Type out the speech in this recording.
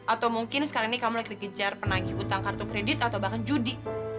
atau mungkin sekarang ini kamu lagi dikejar penagih utang kartu kredit atau bahkan judi